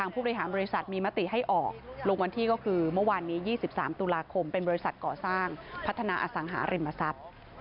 พัฒนาอสังหาริมทรัพย์